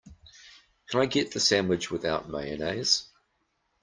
Can I get the sandwich without mayonnaise?